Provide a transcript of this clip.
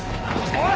おい！